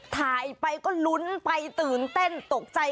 ถ่ายไปก็ลุ้นไปตื่นเต้นตกใจ